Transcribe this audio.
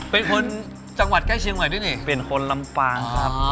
เป็นคนจังหวัดใกล้เชียงใหม่ด้วยนี่เป็นคนลำปางครับ